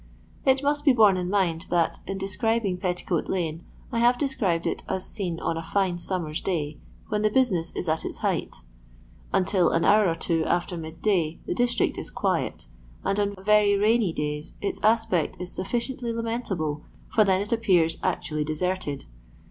It must be borne in mind that, in describing Petticoat lane, I have described it as seen on a fine summer's day, when the business is at its . height. Until an hour or two after midday the district is quiet, and on very rainy days its aspect is sufficiently lamentable, for then it appears actually deserted.